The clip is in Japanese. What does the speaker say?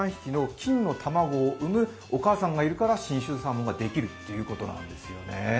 まさに４３匹の金の卵を産むお母さんがいるから信州サーモンができるということなんですね。